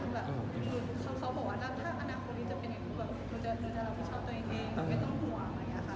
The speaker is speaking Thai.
เขาบอกว่าถ้าอนาคตนี้จะเป็นยังไงทานุจะรับผิดชอบตัวเองไม่ต้องห่วงเลยนะคะ